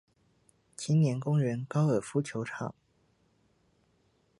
青年公園高爾夫球場